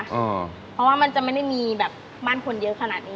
เพราะว่ามันจะไม่ได้มีแบบบ้านคนเยอะขนาดนี้